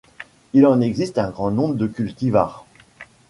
Il en existe un grand nombre de cultivars.